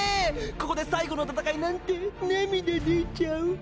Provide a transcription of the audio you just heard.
ここで最後の戦いなんて涙出ちゃうぅ。